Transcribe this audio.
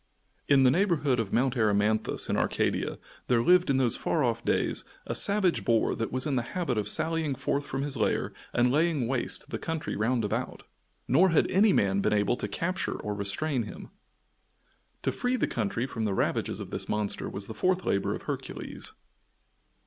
In the neighborhood of Mount Erymanthus, in Arcadia, there lived, in those far off days, a savage boar that was in the habit of sallying forth from his lair and laying waste the country round about, nor had any man been able to capture or restrain him. To free the country from the ravages of this monster was the fourth labor of Hercules.